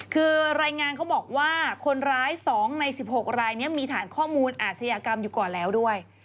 คือรายงานเขาบอกว่าคนร้าย๒ใน๑๖รายนี้มีฐานข้อมูลอาชญากรรมอยู่ก่อนแล้วด้วย